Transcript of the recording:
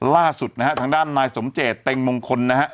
ล่าสุดนะฮะทางด้านนายสมเจตเต็งมงคลนะฮะ